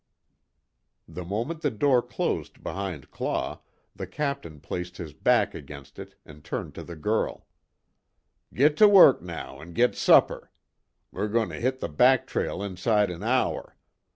The moment the door closed behind Claw, the Captain placed his back against it and turned to the girl: "Git to work now an' git supper! We're goin' to hit the back trail inside an' hour.